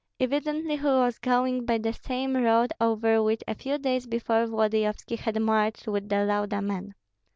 Evidently he was going by the same road over which a few days before Volodyovski had marched with the Lauda men.